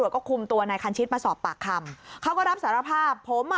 ก็คุมตัวนายคันชิตมาสอบปากคำเขาก็รับสารภาพผมอ่ะ